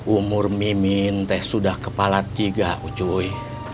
umur mimin sudah kepala tiga ucuy